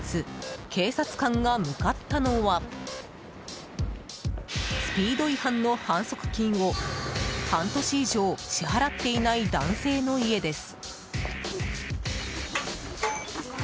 警察官が向かったのはスピード違反の反則金を半年以上支払っていない男性の家です。